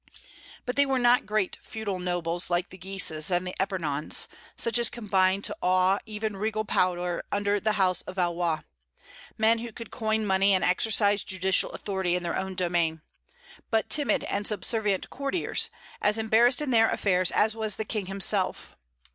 But they were not great feudal nobles, like the Guises and the Epernons, such as combined to awe even regal power under the House of Valois, men who could coin money and exercise judicial authority in their own domain, but timid and subservient courtiers, as embarrassed in their affairs as was the King himself.